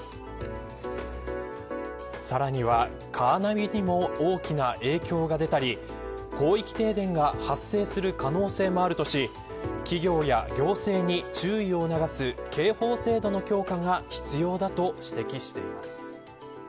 さらにはカーナビにも大きな影響が出たり広域停電が発生する可能性もあるとし企業や行政に注意を促す警報制度の強化が必要だと指摘しています。